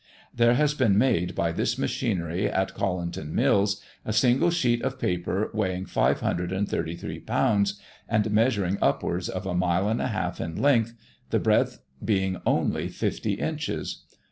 There has been made by this machinery at Colinton mills, a single sheet of paper weighing 533 lbs., and measuring upwards of a mile and a half in length, the breadth being only 50 inches.